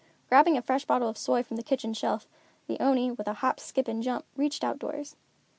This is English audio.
Grabbing a fresh bottle of soy from the kitchen shelf, the Oni, with a hop, skip and jump, reached outdoors.